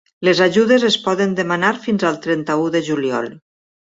Les ajudes es poden demanar fins al trenta-u de juliol.